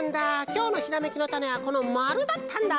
きょうのひらめきのタネはこのまるだったんだ！